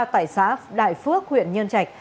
tại xã đại phước huyện nhân trạch